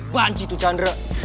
banci tuh chandra